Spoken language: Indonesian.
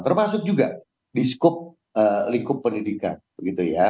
termasuk juga di skup lingkup pendidikan begitu ya